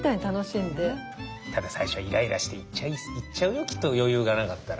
ただ最初はイライラして言っちゃうよきっと余裕がなかったら。